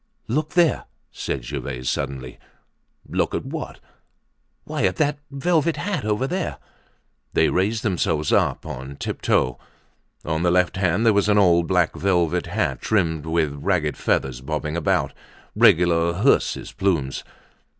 "Look there," said Gervaise suddenly. "Look at what?" "Why, at that velvet hat over there." They raised themselves up on tiptoe. On the left hand there was an old black velvet hat trimmed with ragged feathers bobbing about—regular hearse's plumes.